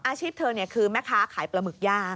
อาชีพเธอคือแม่ค้าขายปลาหมึกย่าง